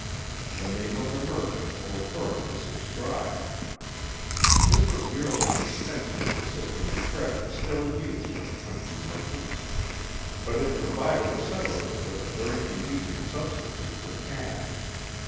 The name of the merchant or firm is subscribed.' This was merely an extension of the system of credit still in use with country merchants, but it provided the settlers with a very convenient substitute for cash.